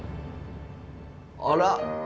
あら。